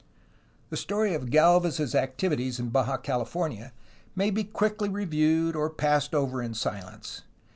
The story of Gdlvez's activities in Baja California may be quickly reviewed or passed over in silence.